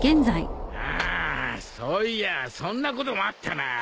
あそういやそんなこともあったな。